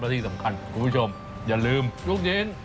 ที่สำคัญคุณผู้ชมอย่าลืมลูกเย็น